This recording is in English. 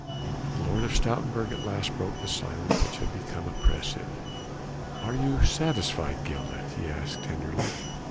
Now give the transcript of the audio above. The Lord of Stoutenburg at last broke the silence which had become oppressive. "Are you satisfied, Gilda?" he asked tenderly.